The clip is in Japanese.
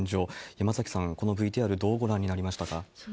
山崎さん、このＶＴＲ、どうご覧になりましたか？